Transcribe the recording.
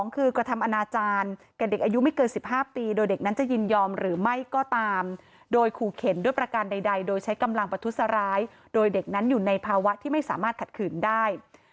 คือกระทำอนาจารย์แก่เด็กอายุไม่เกิน๑๕ปีโดยเด็กนั้นจะยินยอมหรือไม่ก็ตามโดยขู่เข็นด้วยประการใดโดยใช้กำลังประทุษร้ายโดยเด็กนั้นอยู่ในภาวะที่ไม่สามารถขัดขืนได้